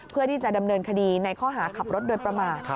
เพื่อที่จะดำเนินคดีในข้อหาขับรถโดยประมาท